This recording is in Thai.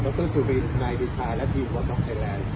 ดรสุรินทร์นายดิชายและพี่หวัดดอกไทยแลนด์